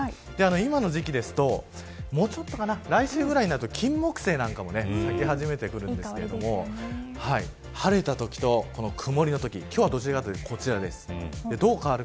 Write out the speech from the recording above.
今の時期だと来週ぐらいになるとキンモクセイなんかも咲き始めてくるんですけど晴れたときと曇りのときどちらかというと、今日はこちら晴れの方です。